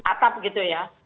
berdiri atap gitu ya